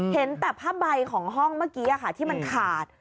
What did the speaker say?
เห็นแต่ผ้าใบของห้องเมื่อกี้ที่มันขาด